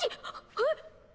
えっ？